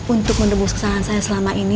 untuk menebus kesalahan saya selama ini